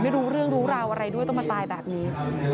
ไม่รู้เรื่องรู้ราวอะไรด้วยต้องมาตายแบบนี้